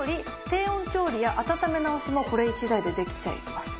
低温調理や温め直しもこれ一台でできちゃいます。